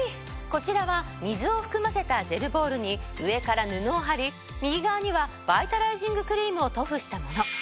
こちらは水を含ませたジェルボールに上から布を貼り右側にはバイタライジングクリームを塗布したもの。